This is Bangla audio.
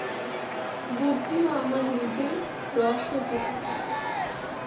বুদ্ধিও আমার নিজের, রসও যে তাই।